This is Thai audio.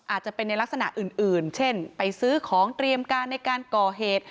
อาจจะเป็นในลักษณะอื่นเช่นไปซื้อของเตรียมการในการก่อเหตุ